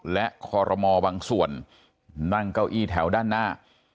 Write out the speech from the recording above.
และคอรมอบางส่วนนั่งเก้าอี้แถวด้านหน้า